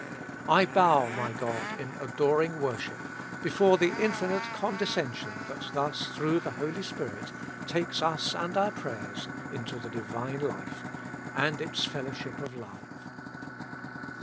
I bow, my God, in adoring worship, before the infinite condescension that thus, through the Holy Spirit, takes us and our prayers into the Divine Life, and its fellowship of love.